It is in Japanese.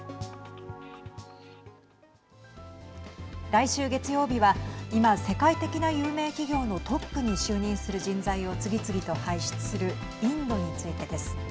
来週、月曜日は今、世界的な有名企業のトップに就任する人材を次々と輩出するインドについてです。